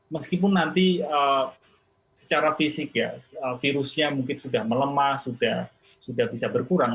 meskipun nanti secara fisik ya virusnya mungkin sudah melemah sudah bisa berkurang